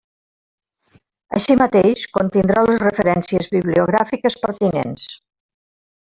Així mateix, contindrà les referències bibliogràfiques pertinents.